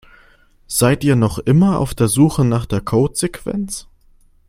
Seid ihr noch immer auf der Suche nach der Codesequenz?